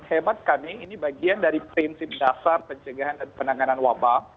hemat kami ini bagian dari prinsip dasar pencegahan dan penanganan wabah